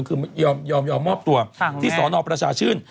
คือยอมมอบตัวที่สนประชาชื่น